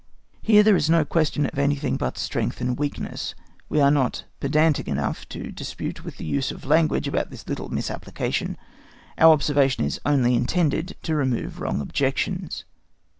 Here there is no question of anything but of strength and weakness. We are not pedantic enough to dispute with the use of language about this little misapplication, our observation is only intended to remove wrong objections.